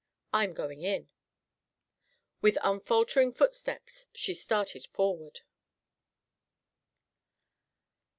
I'm going in." With unfaltering footsteps she started forward.